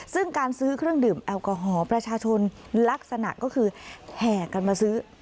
ซึ่งการซื้อเครื่องดื่มแอลกอฮอล์ประชาชนลักษณะก็คือแห่กันมาซื้อ